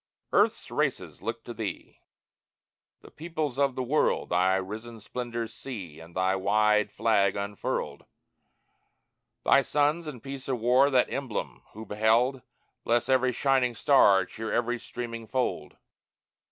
Earth's races look to Thee: The peoples of the world Thy risen splendors see And thy wide flag unfurled; Thy sons, in peace or war, That emblem who behold, Bless every shining star, Cheer every streaming fold!